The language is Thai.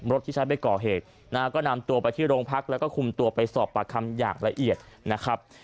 ที่ใช้ไปก่อเหตุนะฮะก็นำตัวไปที่โรงพักแล้วก็คุมตัวไปสอบปากคำอย่างละเอียดนะครับ